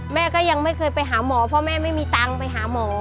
แม่ก็ยังไม่เคยไปหาหมอเพราะแม่ไม่มีตังค์ไปหาหมอ